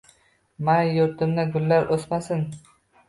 Mayli, yurtimda gullar o‘smasin.